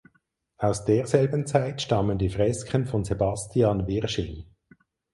Aus derselben Zeit stammen die Fresken von Sebastian Wirsching.